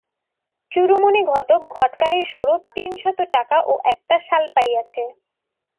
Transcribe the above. চুড়োমণি ঘটক ঘটকালির স্বরূপ তিন শত টাকা ও একটা শাল পাইয়াছে।